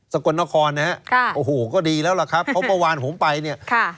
สกลนครโอ้โหก็ดีแล้วล่ะครับเพราะว่าวานผมไป